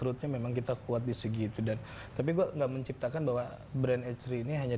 road memang kita kuat di segi itu dan tapi gua enggak menciptakan bahwa brand esri ini hanya